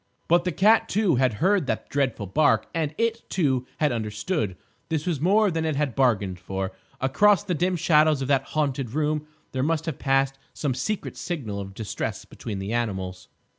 But the cat, too, had heard that dreadful bark; and it, too, had understood. This was more than it had bargained for. Across the dim shadows of that haunted room there must have passed some secret signal of distress between the animals.